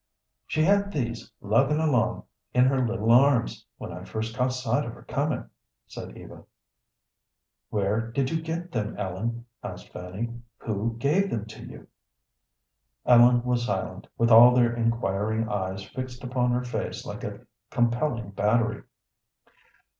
"She had these, luggin' along in her little arms, when I first caught sight of her comin'," said Eva. "Where did you get them, Ellen?" asked Fanny. "Who gave them to you?" Ellen was silent, with all their inquiring eyes fixed upon her face like a compelling battery.